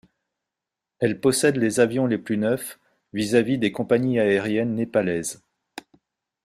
Elle possède les avions les plus neufs, vis-à-vis des compagnies aériennes népalaises.